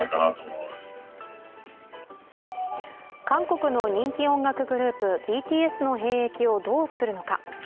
韓国の人気音楽グループ、ＢＴＳの兵役をどうするのか。